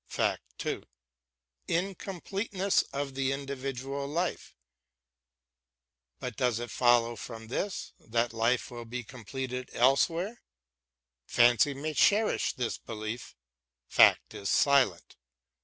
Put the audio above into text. Fact 2, Incompleteness of the individual life. But does it follow from this that that life will be BROWNING AND MONTAIGNE 221 completed elsewhere ? Fancy may cherish this belief ; fact is silent.